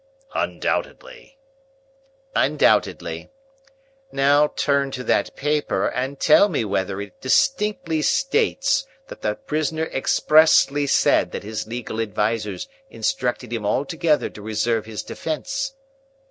"Undoubtedly." "Undoubtedly. Now, turn to that paper, and tell me whether it distinctly states that the prisoner expressly said that his legal advisers instructed him altogether to reserve his defence?"